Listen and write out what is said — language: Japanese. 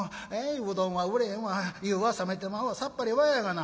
うどんは売れへんわ湯は冷めてまうわさっぱりわやがな」。